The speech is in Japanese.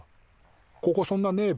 ここそんなねえべ？